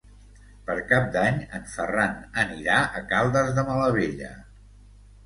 Per Cap d'Any en Ferran anirà a Caldes de Malavella.